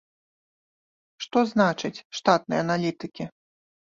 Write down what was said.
Што значыць штатныя аналітыкі?